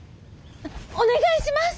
お願いします！